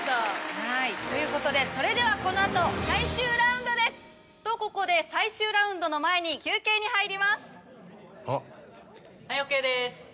ということでそれではこの後最終ラウンドです！とここで最終ラウンドの前に休憩に入ります。